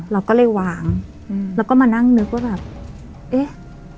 เราก็เลยวางอืมแล้วก็มานั่งนึกว่าแบบเอ๊ะ